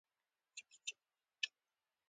اسمان ته ستوري خیژوم